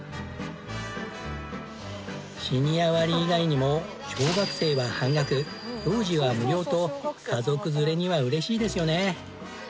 シニア割以外にも小学生は半額幼児は無料と家族連れには嬉しいですよね。